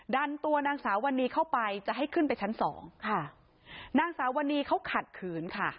ดันตัวนางสาววันนี้เข้าไปจะให้ขึ้นไปชั้นสองค่ะนางสาววันนี้เขาขัดขืนค่ะ